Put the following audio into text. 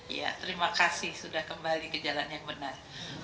ya terima kasih sudah kembali ke jalan yang benar